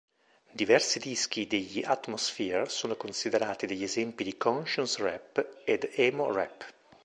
Diversi dischi degli Atmosphere sono considerati degli esempi di conscious rap ed Emo rap.